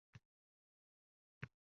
Onasi esa endi oltmish ikki yosh bo‘lgandi